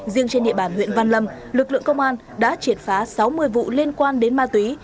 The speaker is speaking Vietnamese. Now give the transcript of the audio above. riêng trên địa bàn huyện văn lâm lực lượng công an đã triệt phá sáu mươi vụ liên quan đến ma túy